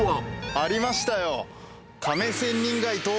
ありましたよ。